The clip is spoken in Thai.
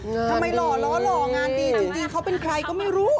หล่อล้อหล่องานดีจริงเขาเป็นใครก็ไม่รู้